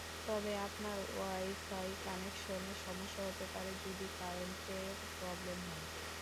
তবে আপনার ওয়াইফাই কানেকশনে সমস্যা হতে পারে, যদি কারেন্টের প্রবলেম হয়।